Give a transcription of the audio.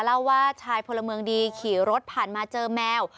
เล่าว่าชายพลเมืองดีขี่รถผ่านมาเจอแมว